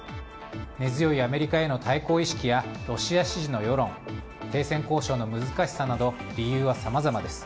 根強いアメリカへの対抗意識やロシア支持の世論停戦交渉の難しさなど理由はさまざまです。